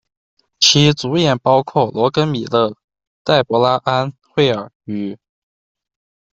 其主演包括、罗根·米勒、黛博拉·安·霍尔、、与。